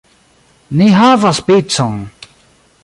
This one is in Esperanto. Ni havas picon!